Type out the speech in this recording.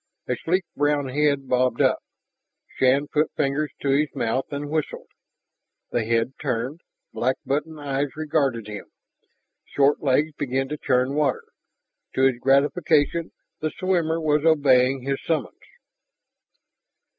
A sleek brown head bobbed up. Shann put fingers to his mouth and whistled. The head turned, black button eyes regarded him, short legs began to churn water. To his gratification the swimmer was obeying his summons.